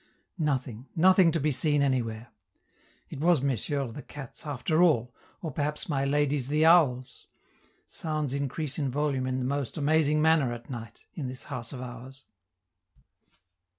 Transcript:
Nothing; nothing to be seen anywhere. It was Messieurs the cats after all, or perhaps my ladies the owls; sounds increase in volume in the most amazing manner at night, in this house of ours.